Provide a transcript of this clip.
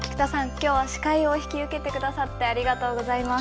今日は司会を引き受けて下さってありがとうございます。